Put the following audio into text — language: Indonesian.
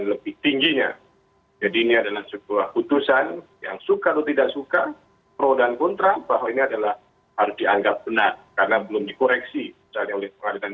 sebenarnya ini adalah kewenangan dari majelis hakim yang telah mendapatkan keyakinan